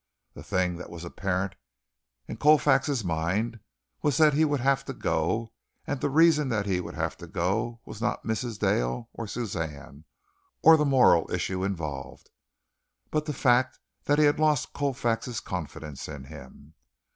The thing that was apparent in Colfax's mind was that he would have to go, and the reason that he would have to go was not Mrs. Dale or Suzanne, or the moral issue involved, but the fact that he had lost Colfax's confidence in him.